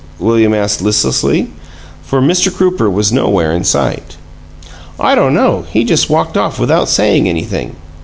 William asked, listlessly, for Mr. Crooper was nowhere in sight. "I don't know he just walked off without sayin' anything.